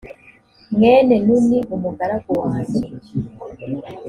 mwene nuni umugaragu wanjye